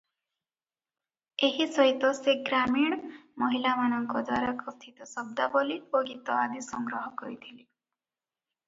ଏଥି ସହିତ ସେ ଗ୍ରାମୀଣ ମହିଳାମାନଙ୍କଦ୍ୱାରା କଥିତ ଶବ୍ଦାବଳୀ ଓ ଗୀତ ଆଦି ସଂଗ୍ରହ କରିଥିଲେ ।